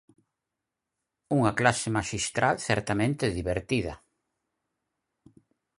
Unha clase maxistral certamente divertida.